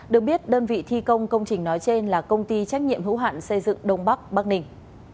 được biết đơn vị thi công công trình nói trên là công ty trách nhiệm hữu hạn xây dựng đông bắc bắc ninh